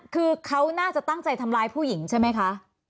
คือเขาน่าจะตั้งใจทำร้ายผู้หญิงใช่ไหมคะ